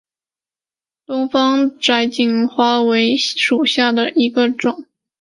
东方窄颈金花虫为金花虫科窄颈金花虫属下的一个种。